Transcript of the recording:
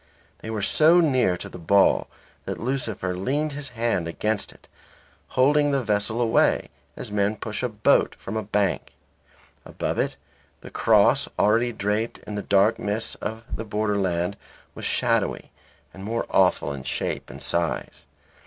They were so near to the ball that Lucifer leaned his hand against it, holding the vessel away, as men push a boat off from a bank. Above it the cross already draped in the dark mists of the borderland was shadowy and more awful in shape and size.